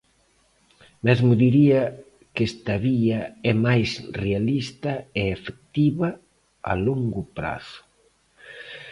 Mesmo diría que esta vía é máis realista e efectiva a longo prazo.